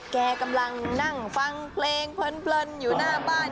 แกกำลังนั่งฟังเพลงเพลินอยู่หน้าบ้าน